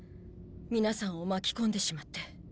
皆さんを巻き込んでしまって。